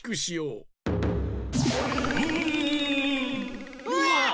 うわ！